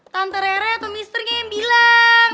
tante rere atau misternya yang bilang